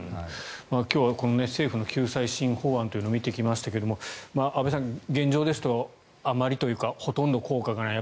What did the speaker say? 今日は政府の救済新法案というのを見てきましたが阿部さん、現状ですとあまりというかほとんど効果がない。